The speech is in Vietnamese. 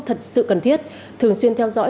thật sự cần thiết thường xuyên theo dõi